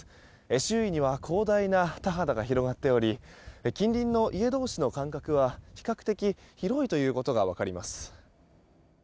周囲には広大な田畑が広がっており近隣の家同士の感覚は比較的広いということが分かります。